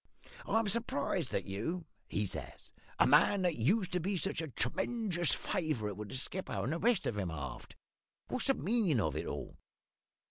I'm surprised at you,' he says `a man that used to be such a tremenjous favourite with the skipper and the rest of 'em aft. What's the meanin' of it all?'